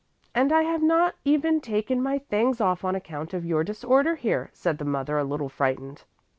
"And I have not even taken my things off on account of your disorder here," said the mother a little frightened.